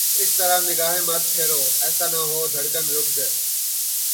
اس طرح نگاہیں مت پھیرو، ایسا نہ ہو دھڑکن رک جائے